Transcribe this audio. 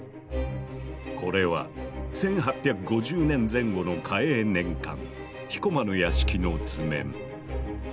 これは１８５０年前後の嘉永年間彦馬の屋敷の図面。